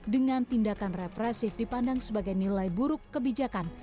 dengan tindakan represif dipandang sebagai nilai buruk kebijakan